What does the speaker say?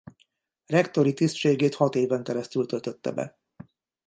Rektori tisztségét hat éven keresztül töltötte be.